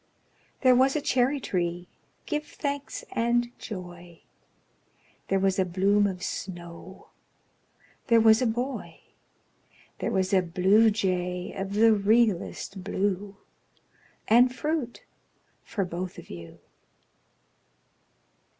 There was a cherry tree, give thanks and joy! There was a bloom of snow There was a boy There was a bluejay of the realest blue And fruit for both of you.